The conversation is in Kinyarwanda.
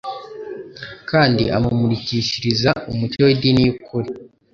kandi amumurikishiriza umucyo w'idini y'ukuri.